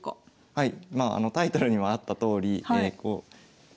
はい。